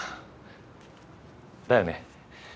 だよね。